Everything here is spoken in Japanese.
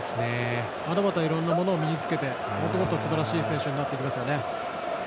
まだまだいろいろなものを身につけてもっとすばらしい選手になってほしいですね。